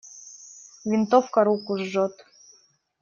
Винтовка руку жжет.